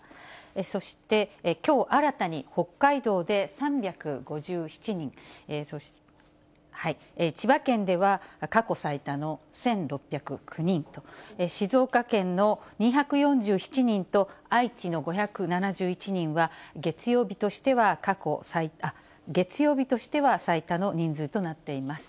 そしてきょう新たに、北海道で３５７人、千葉県では、過去最多の１６０９人と、静岡県の２４７人と愛知の５７１人は、月曜日としては最多の人数となっています。